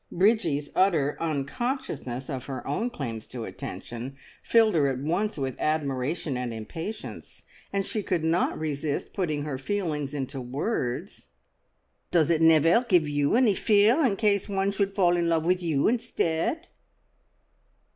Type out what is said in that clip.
Bridgie's utter unconsciousness of her own claims to attention filled her at once with admiration and impatience, and she could not resist putting her feelings into words. "Does it never give you any fear in case one should fall in love with you instead?"